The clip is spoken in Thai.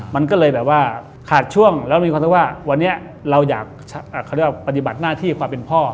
มันก็เลยแบบว่าขาดช่วงแล้วมีความรู้สึกว่าวันนี้เราอยากเขาเรียกว่าปฏิบัติหน้าที่ความเป็นพ่อ